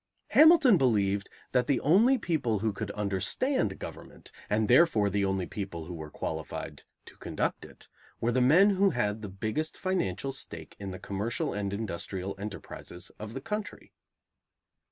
Hamilton believed that the only people who could understand government, and therefore the only people who were qualified to conduct it, were the men who had the biggest financial stake in the commercial and industrial enterprises of the country.